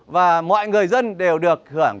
và mọi người dân đều được hưởng